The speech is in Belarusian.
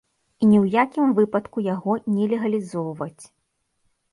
І ні ў якім выпадку яго не легалізоўваць.